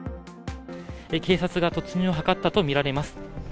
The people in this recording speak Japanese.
警察が突入を図ったと見られます。